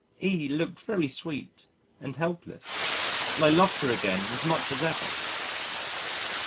E looked very sweet and helpless and I loved her again as much as ever.